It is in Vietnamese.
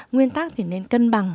nguyên tắc thì nên cân bằng